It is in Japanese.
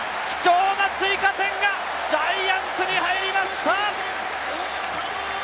貴重な追加点がジャイアンツに入りました。